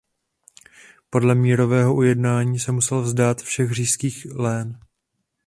Podle mírového ujednání se musel vzdát všech říšských lén.